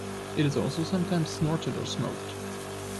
It is also sometimes snorted or smoked.